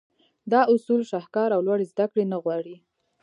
دا اصول شهکار او لوړې زدهکړې نه غواړي.